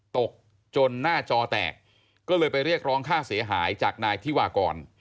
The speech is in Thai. ตกจนหน้าจอแตกก็เลยไปเรียกร้องค่าเสียหายจากนายธิวากร